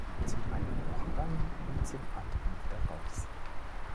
Zum einen Ohr rein und zum anderen wieder raus.